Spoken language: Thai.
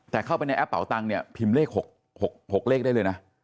แต่เข้าไปในแอปเป่าตังค์เนี่ยพิมพ์เลข๖เลขได้เลยนะ